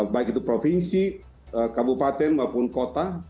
baik itu provinsi kabupaten maupun kota